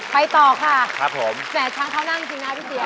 ไปต่อค่ะแสนช้างเข้านั่งจริงนะพี่เตี๋ยว